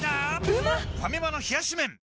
ファミマの冷し麺